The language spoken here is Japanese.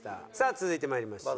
続いてまいりましょう。